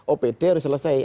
opd harus selesai